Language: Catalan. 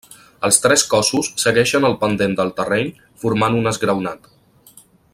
Els tres cossos segueixen el pendent del terreny formant un esgraonat.